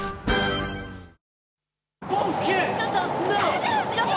ちょっと。